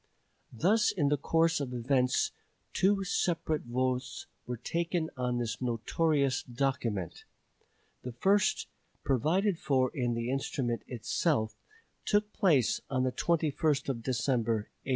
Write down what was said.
Thus in the course of events two separate votes were taken on this notorious document. The first, provided for in the instrument itself, took place on the 21st of December, 1857.